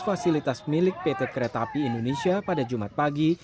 fasilitas milik pt kereta api indonesia pada jumat pagi